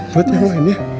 buat yang lain ya